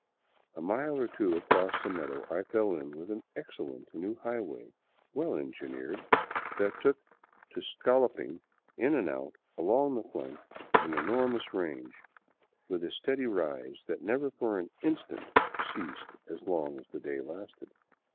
A mile or two across the meadow I fell in with an excellent new highway, well engineered, that took to scolloping in and out along the flank of an enormous range, with a steady rise that never for an instant ceased as long as the day lasted.